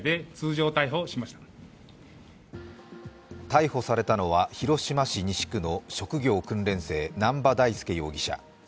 逮捕されたのは広島市西区の職業訓練生南波大祐容疑者。